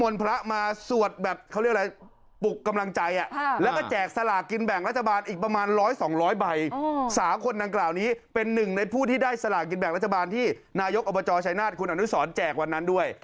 แล้วก็มีรายการอีกประมาณ๑๐๐๒๐๐ใบสาวคนดังกล่าวนี้เป็นหนึ่งในผู้ที่ได้สลากกินแบ่งรัฐบาลที่นายกอบจชัยนาศคุณอนุสรแจกวันนั้นด้วย